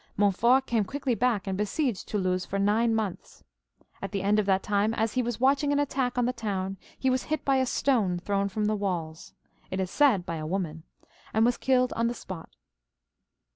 Montfort came quickly back and besieged Toulouse for nine months. At the end of that time, as he was watching an attack on the town, he was hit by a stone thrown from the walls — ^it is said by a woman — and was killed on th^ spot.